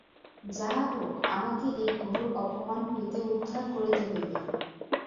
যাহা হউক আমাকে এই ঘোর অপমান হইতে উদ্ধার করিতে হইবে।